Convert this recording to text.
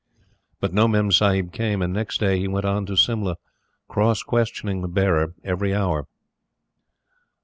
But no Memsahib came, and, next day, he went on to Simla cross questioning the bearer every hour.